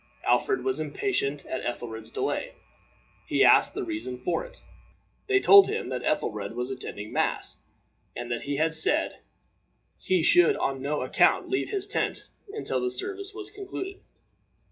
Alfred was impatient at Ethelred's delay. He asked the reason for it. They told him that Ethelred was attending mass, and that he had said he should on no account leave his tent until the service was concluded.